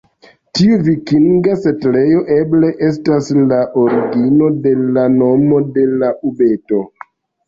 Tiu vikinga setlejo eble estas la origino de la nomo de la ubeto.